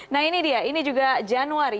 nah ini dia ini juga januari